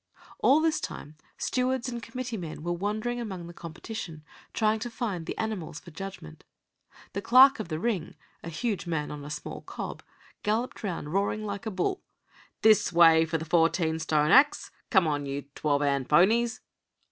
All this time stewards and committee men were wandering among the competitors, trying to find the animals for judgment. The clerk of the ring a huge man on a small cob galloped around, roaring like a bull: "This way for the fourteen stone 'acks! Come on, you twelve 'and ponies!"